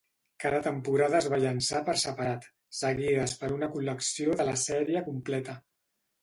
Cada temporada es va llançar per separat, seguides per una col·lecció de la sèrie completa.